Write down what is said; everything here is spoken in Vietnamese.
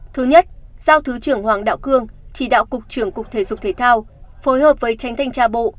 thứ nhất giao thứ trưởng hoàng đạo cương chỉ đạo cục trưởng cục thể dục thể thao phối hợp với tránh thanh tra bộ